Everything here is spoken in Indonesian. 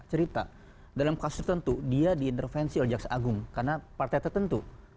cerita dalam kasus tertentu dia diintervensi oleh jaksa agung karena partai tertentu